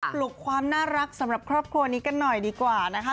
ปลุกความน่ารักสำหรับครอบครัวนี้กันหน่อยดีกว่านะคะ